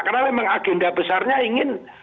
karena memang agenda besarnya ingin